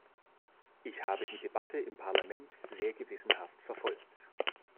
Ich habe die Debatte im Parlament sehr gewissenhaft verfolgt.